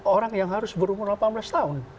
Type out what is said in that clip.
orang yang harus berumur delapan belas tahun